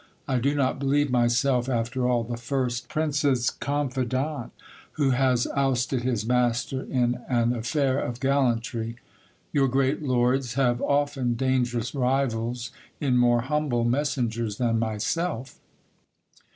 I do not believe myself, after all, the first prince's confidant who has ousted his master in an affair of gallantry ; your great lords have often dangerous rivals, in more humble messengers than myself.